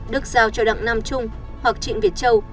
đức giao cho đặng nam trung hoặc trịnh việt châu